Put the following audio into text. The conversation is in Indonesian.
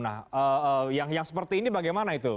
nah yang seperti ini bagaimana itu